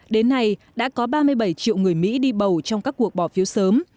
đến nay đã có ba mươi bảy triệu người mỹ đi bầu trong các cuộc bỏ phiếu sớm